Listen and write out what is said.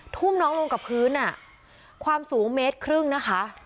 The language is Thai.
ทุ่มน้องลงกับพื้นความสูงเมตรครึ่งนะคะ